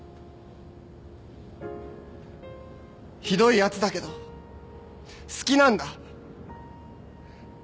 ひどいやつだけど好きなんだ。